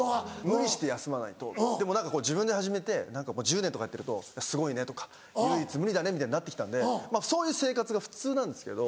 無理して休まないとでも自分で始めて１０年とかやってるとすごいねとか唯一無二だねみたいになって来たんでそういう生活が普通なんですけど。